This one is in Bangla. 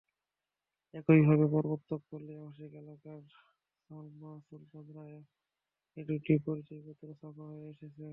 একইভাবে প্রবর্তক পল্লি আবাসিক এলাকার সালমা সুলতানারও দুটি পরিচয়পত্র ছাপা হয়ে এসেছে।